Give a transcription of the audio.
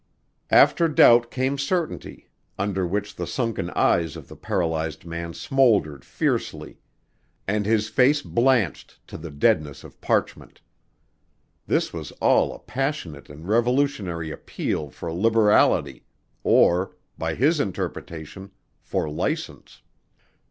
After doubt came certainty under which the sunken eyes of the paralyzed man smouldered fiercely and his face blanched to the deadness of parchment. This was all a passionate and revolutionary appeal for liberality or by his interpretation for license.